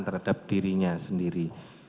terhadap dirinya sendiri